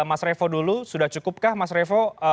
mas revo dulu sudah cukupkah mas revo